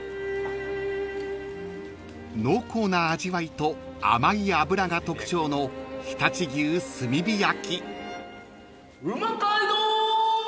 ［濃厚な味わいと甘い脂が特徴の常陸牛炭火焼］